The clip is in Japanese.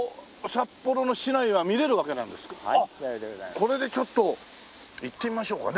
これでちょっと行ってみましょうかね。